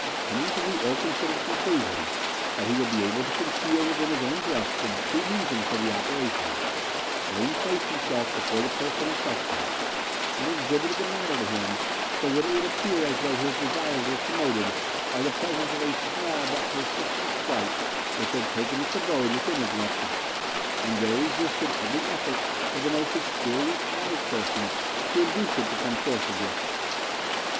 Coming to the ill considered conclusion that he would be able to conceal within his own breast the true reason for the operation, Ling placed himself before the person in question, and exhibited the matter to him so that it would appear as though his desires were promoted by the presence of a small but persistent sprite which had taken its abode within his left thigh, and there resisted every effort of the most experienced wise persons to induce it to come forth again.